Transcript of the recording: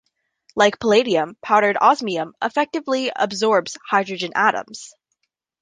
Like palladium, powdered osmium effectively absorbs hydrogen atoms.